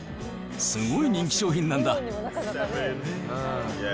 すごい人気商品なんだ。